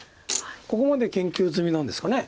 ここまで研究済みなんですかね。